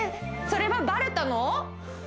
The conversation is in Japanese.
それはバレたの？